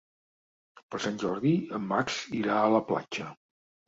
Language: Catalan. Per Sant Jordi en Max irà a la platja.